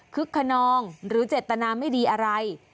คนนองหรือเจตนาไม่ดีอะไร